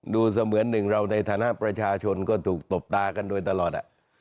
ดูเสมอเหมือนหนึ่งเราในฐานะประชาชนก็ถูกตบตากันด้วยตลอดอ่ะ